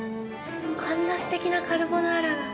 こんなすてきなカルボナーラ。